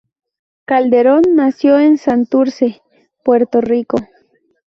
Calderón nació en Santurce, Puerto Rico.